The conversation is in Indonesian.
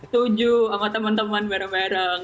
tuju sama teman teman mereng mereng